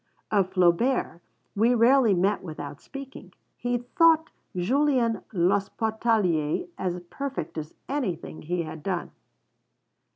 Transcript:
Of Flaubert we rarely met without speaking. He thought Julien l'Hospitalier as perfect as anything he had done.